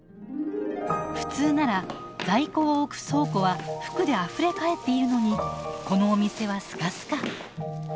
普通なら在庫を置く倉庫は服であふれ返っているのにこのお店はスカスカ。